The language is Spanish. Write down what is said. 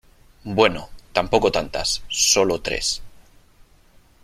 bueno , tampoco tantas , solo tres .